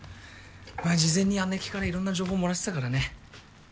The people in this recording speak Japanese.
まあ事前に姉貴から色んな情報もらってたからね。